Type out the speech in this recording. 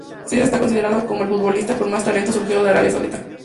Saeed está considerado como el futbolista con más talento surgido de Arabia Saudita.